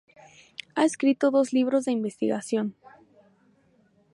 Ha escrito dos libros de investigación.